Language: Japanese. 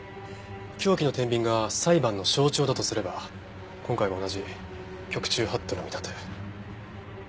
凶器の天秤が裁判の象徴だとすれば今回も同じ局中法度の見立て。